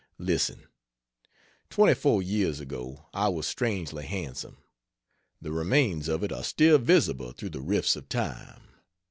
Listen. Twenty four years ago, I was strangely handsome. The remains of it are still visible through the rifts of time.